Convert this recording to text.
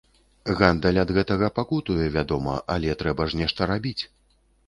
Гандаль ад гэтага пакутуе, вядома, але трэба ж нешта рабіць!